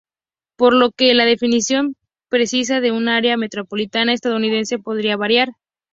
Por lo que la definición precisa de un área metropolitana estadounidense podría variar.